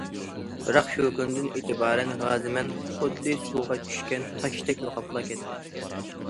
بىراق، شۇ كۈندىن ئېتىبارەن‹‹ رازىمەن›› خۇددى سۇغا چۈشكەن تاشتەك يوقاپلا كەتتى.